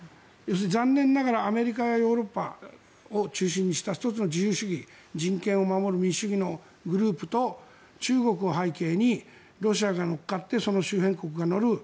残念ながら、アメリカやヨーロッパを中心とした１つの自由主義人権を守る民主主義のグループと中国を背景にロシアが乗っかってその周辺国が乗る。